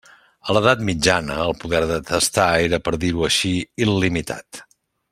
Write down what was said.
A l'edat mitjana, el poder de testar era, per dir-ho així, il·limitat.